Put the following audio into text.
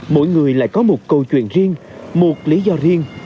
mỗi người lại có một câu chuyện riêng một lý do riêng